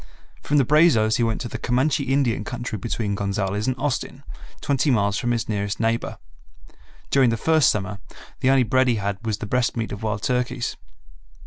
From the Brazos he went to the Comanche Indian country between Gonzales and Austin, twenty miles from his nearest neighbor. During the first summer, the only bread he had was the breast meat of wild turkeys.